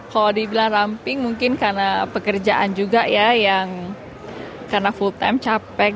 kalau dibilang ramping mungkin karena pekerjaan juga ya yang karena full time capek